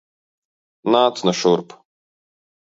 Nāc nu šurp!